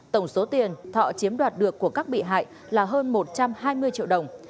tổng số tiền thọ chiếm đoạt được của các bị hại là hơn một trăm hai mươi triệu đồng